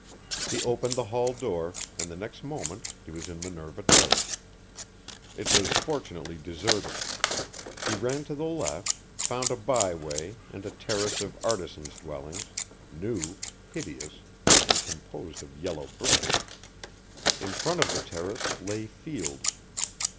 He opened the hall door, and the next moment he was in Minerva Terrace. It was fortunately deserted. He ran to the left, found a bye way and a terrace of artisans' dwellings, new, hideous, and composed of yellow brick. In front of the terrace lay fields.